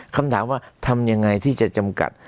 คำถามว่าทำยังไงที่จะจำกัด